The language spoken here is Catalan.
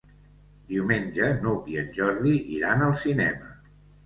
Diumenge n'Hug i en Jordi iran al cinema.